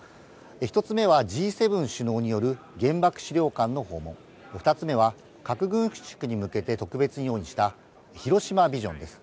１つ目はＧ７首脳による原爆資料館の訪問、２つ目は、核軍縮に向けて特別に用意した広島ビジョンです。